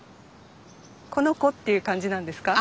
この子っていう感じなんですか？